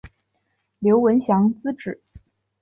刘文翔之子。